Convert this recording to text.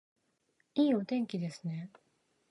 いいお天気ですね